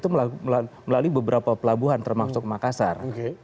itu melalui beberapa pelabuhan termasuk makassar